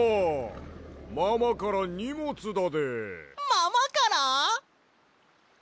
ママから？